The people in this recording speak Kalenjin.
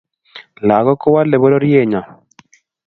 Lakok kuwalea pororiet nyo